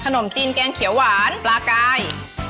ขนมจีนแกงเขียวหวานปลากาย